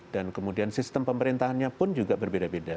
dan kemudian sistem pemerintahnya pun juga berbeda beda